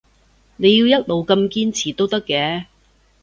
你要一路咁堅持都得嘅